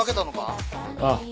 ああ。